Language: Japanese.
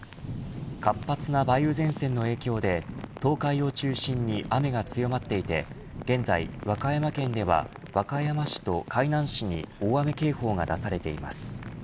活発な梅雨前線の影響で東海を中心に雨が強まっていて現在、和歌山県では和歌山市と海南市に大雨警報が出されています。